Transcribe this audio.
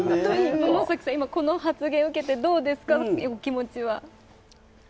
百崎さん、この発言を受けてどうですかお気持ちは。